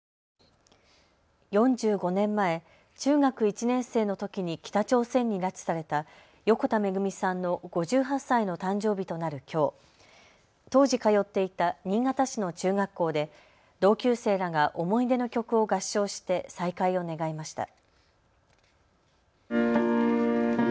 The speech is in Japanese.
４５年前、中学１年生のときに北朝鮮に拉致された横田めぐみさんの５８歳の誕生日となるきょう、当時通っていた新潟市の中学校で、同級生らが思い出の曲を合唱して再会を願いました。